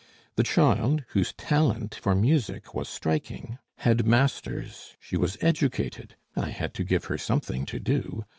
"The child, whose talent for music was striking, had masters, she was educated I had to give her something to do.